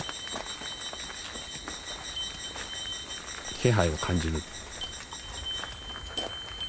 気配を感じる。